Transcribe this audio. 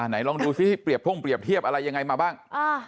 ลองดูซิที่เรียบท่งเปรียบเทียบอะไรยังไงมาบ้าง